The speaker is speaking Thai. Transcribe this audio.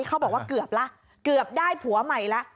เขาบอกว่าเกือบแล้วเกือบได้ผัวใหม่แล้ว